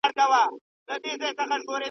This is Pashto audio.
پر ملخ یې سترګي نه سوای پټولای !.